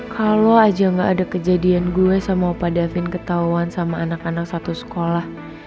kalau aja gak ada kejadian gue sama pak davin ketahuan sama anak anak satu sekolah